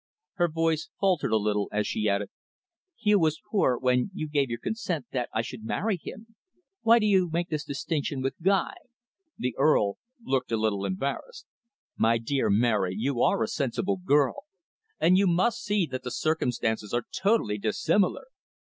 Her voice faltered a little, as she added, "Hugh was poor, when you gave your consent that I should marry him. Why do you make this distinction with Guy?" The Earl looked a little embarrassed. "My dear Mary, you are a sensible girl, and you must see that the circumstances are totally dissimilar.